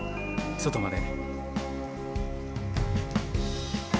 外まで。